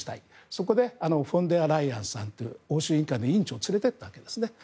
そこでフォンデアライエンさんという欧州委員会の委員長を連れてきたんですね。